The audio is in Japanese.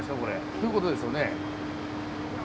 そういうことですよね。